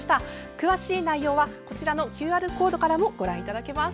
詳しい内容はＱＲコードからもご覧いただけます。